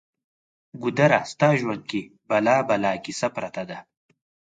ګودره! ستا ژوند کې بلا بلا کیسه پرته ده